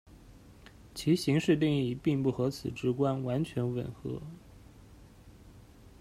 其形式定义并不和此直观完全吻合。